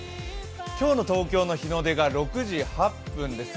今日の東京の日の出が６時８分です。